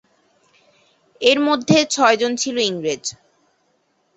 এর মধ্যে ছয়জন ছিল ইংরেজ।